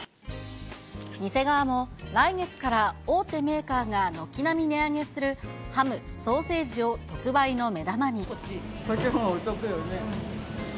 店側も来月から大手メーカーが軒並み値上げするハム、ソーセこっちのほうがお得よね。